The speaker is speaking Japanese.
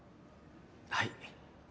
はい。